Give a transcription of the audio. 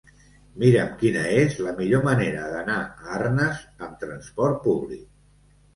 Mira'm quina és la millor manera d'anar a Arnes amb trasport públic.